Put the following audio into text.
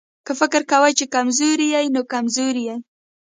که فکر کوې چې کمزوری يې نو کمزوری يې.